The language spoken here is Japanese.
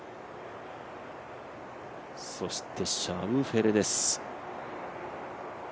そしてシャウフェレです。